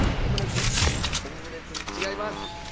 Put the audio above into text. オムレツ違います。